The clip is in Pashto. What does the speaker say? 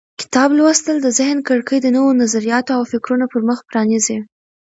کتاب لوستل د ذهن کړکۍ د نوو نظریاتو او فکرونو پر مخ پرانیزي.